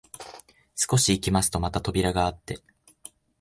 少し行きますとまた扉があって、